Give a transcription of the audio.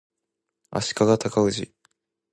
足利尊氏